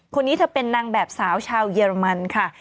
คนนี้เธอเป็นนางแบบสาวชาวเยอรมันค่ะ